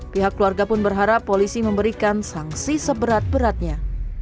pihak keluarga pun berharap polisi memberikan sanksi seberat beratnya